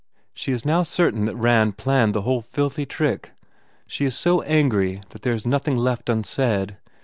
She is now certain that Rand planned the whole filthy trick. She is so angry that there is nothing left unsaid.